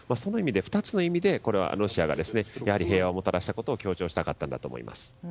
その２つの意味でロシアが平和をもたらしたことを強調したかったんだと思います。